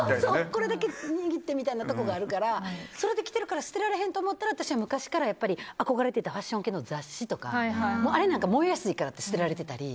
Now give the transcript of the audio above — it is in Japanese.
これだけ握ってみたいなところがあるからそれできてるから捨てられへんと思ったら昔から憧れてたファッション系の雑誌とか燃えやすいから捨てられてたり。